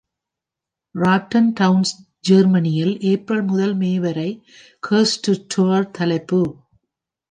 Rotten sound ஜெர்மனியில் April முதல் May வரை "Cursed to Tour" தலைப்பு.